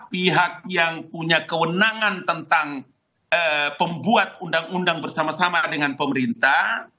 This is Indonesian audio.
pihak yang punya kewenangan tentang pembuat undang undang bersama sama dengan pemerintah